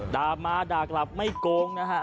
ด่ามาด่ากลับไม่โกงนะฮะ